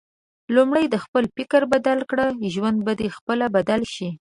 لومړی د خپل فکر بدل کړه ، ژوند به د خپله بدل شي